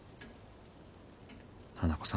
花子さん。